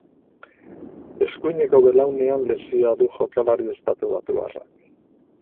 Eskuineko belaunean lesioa du jokalari estatubatuarrak.